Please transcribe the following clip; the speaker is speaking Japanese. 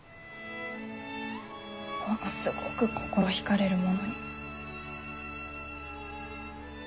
ものすごぐ心引かれるものに。